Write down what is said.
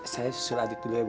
saya susul ardi dulu ya bu